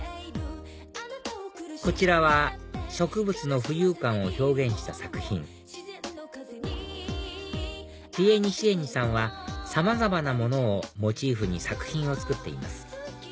こちらは植物の浮遊感を表現した作品ＰｉｅｎｉＳｉｅｎｉさんはさまざまなものをモチーフに作品を作っています